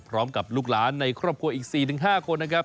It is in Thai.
พร้อมกับลูกหลานในครอบครัวอีก๔๕คนนะครับ